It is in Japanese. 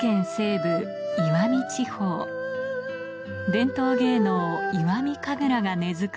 伝統芸能石見神楽が根付く